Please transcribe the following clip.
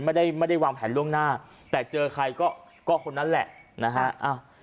ไม่ได้วางแผนล่วงหน้าแต่เจอใครก็คนนั้นแหละ